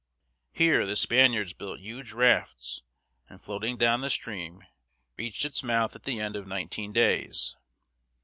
Here the Spaniards built huge rafts, and, floating down the stream, reached its mouth at the end of nineteen days.